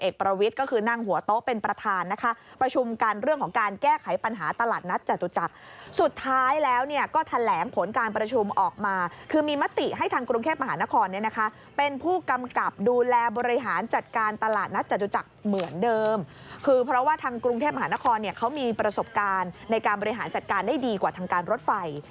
กรุงเทพมหานครเขามีประสบการณ์ในการบริหารจัดการได้ดีกว่าทางการรถไฟ